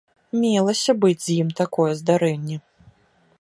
Мелася быць з ім такое здарэнне.